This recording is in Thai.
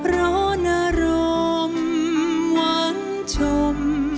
ร้อนอารมณ์หวังชม